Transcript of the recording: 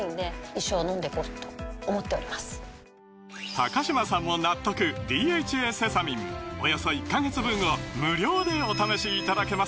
高嶋さんも納得「ＤＨＡセサミン」およそ１カ月分を無料でお試しいただけます